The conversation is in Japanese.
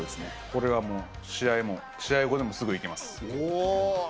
これはもう、試合も、試合後でもすぐいけます。